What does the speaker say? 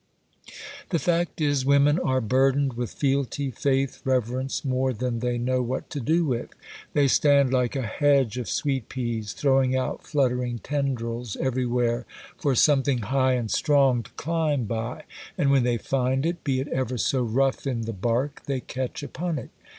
The fact is, women are burdened with fealty, faith, reverence, more than they know what to do with; they stand like a hedge of sweet peas, throwing out fluttering tendrils everywhere for something high and strong to climb by,—and when they find it, be it ever so rough in the bark, they catch upon it.